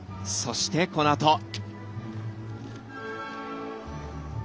そしてこのあと。